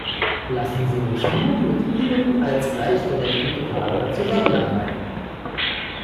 Lassen Sie uns nun mit ihnen als gleichberechtigte Partner zusammenarbeiten.